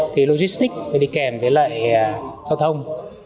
thì logistic thì đi kèm với lại giao thông